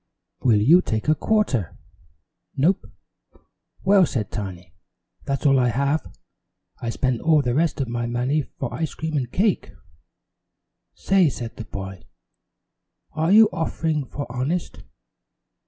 "Will you take a quarter?" "Nope." "Well," said Tiny, "that's all I have. I spent all the rest of my money for ice cream and cake." "Say," said the boy, "are you offering for honest?"